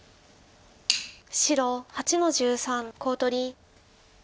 白８の十三コウ取り。